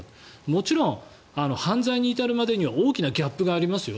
もちろん犯罪に至るまでには大きなギャップがありますよ。